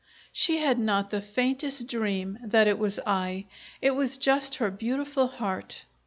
She had not the faintest dream that it was I. It was just her beautiful heart.